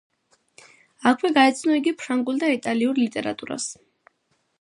აქვე გაეცნო იგი ფრანგულ და იტალიურ ლიტერატურას.